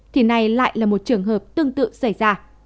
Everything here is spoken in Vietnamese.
thì nay lại là một trường hợp tương tự xảy ra